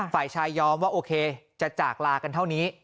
ฝ่ายชายยอมว่าโอเคจะจากลากันเท่านี้